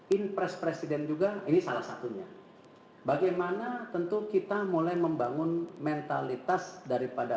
inpres presiden juga ini salah satunya bagaimana tentu kita mulai membangun mentalitas daripada